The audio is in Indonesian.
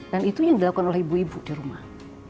dan itu yang dilakukan oleh ibu ibu di rumah